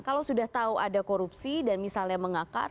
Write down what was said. kalau sudah tahu ada korupsi dan misalnya mengakar